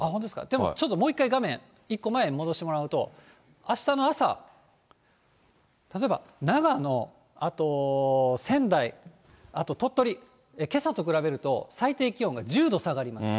でもちょっと、もう一回画面、一個前へ戻してもらうと、あしたの朝、例えば長野、あと仙台、あと鳥取、けさと比べると、最低気温が１０度下がります。